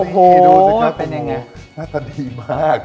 โหน่าจะดีมาก